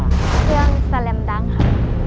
เครื่องแลมดังค่ะ